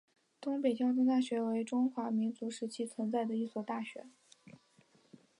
东北交通大学为中华民国时期存在的一所大学。